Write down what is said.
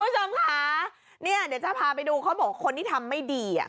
คุณผู้ชมค่ะเดี๋ยวจะพาไปดูเขาบอกว่าคนที่ทำไม่ดี